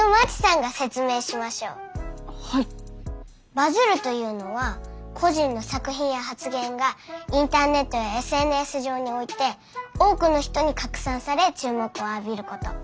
バズるというのは個人の作品や発言がインターネットやＳＮＳ上において多くの人に拡散され注目を浴びること。